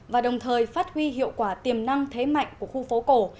và đồng thời phát huy hiệu quả tiềm năng thế mạnh của khu phố cổ